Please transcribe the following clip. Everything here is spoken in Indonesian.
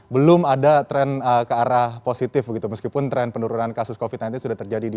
belum ada tren ke arah positif begitu meskipun tren penurunan kasus covid sembilan belas sudah terjadi di